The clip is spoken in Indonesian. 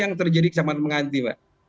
yang terjadi kecamatan penghanti mbak